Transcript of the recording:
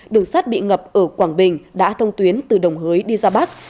đường sắt bị ngập ở quảng bình đã thông tuyến từ đồng hới đi ra bắc